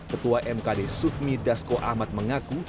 ketua mkd sufmi dasko ahmad mengaku